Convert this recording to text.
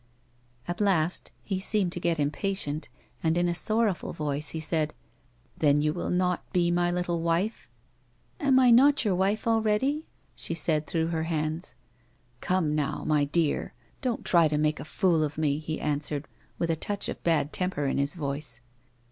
At last he seemed to get impatient, and, in a sorrowful voice, he said :" Then you will not be my little wife 1 "" Am I not your wife already?" she said, through her hands. 60 A WOMAN'S LIFE. " Come now, my dear, don't try to make a fool of me," he answered, with a touch of bad temper in his voice.